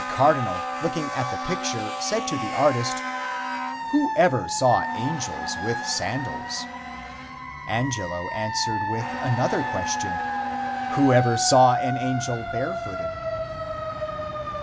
A cardinal looking at the picture said to the artist: "Whoever saw angels with sandals?" Angelo answered with another question: "Whoever saw an angel barefooted?"